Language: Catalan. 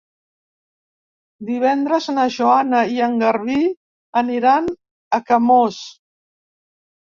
Divendres na Joana i en Garbí aniran a Camós.